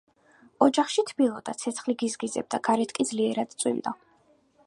ოთახში თბილოდა, ცეცხლი გიზგიზებდა, გარეთ კი ძლიერად წვიმდა